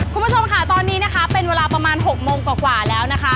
คุณผู้ชมค่ะตอนนี้นะคะเป็นเวลาประมาณ๖โมงกว่าแล้วนะคะ